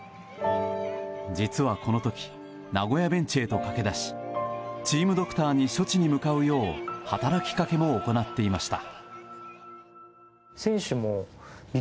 実は、この時名古屋ベンチへと駆け出しチームドクターに処置に向かうよう働きかけも行っていました。